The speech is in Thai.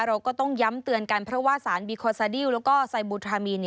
เราก็ต้องย้ำเตือนกันเพราะว่าสารบีคอซาดิวแล้วก็ไซบูทรามีน